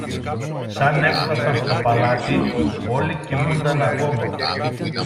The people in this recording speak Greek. Σαν έφθασαν στο παλάτι, όλοι κοιμούνταν ακόμα.